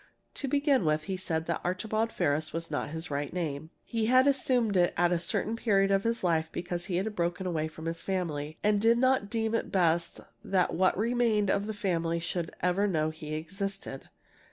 To begin with, he said that Archibald Ferris was not his right name. He had assumed it at a certain period of his life because he had broken away from his family, and did not deem it best that what remained of that family should ever know he existed.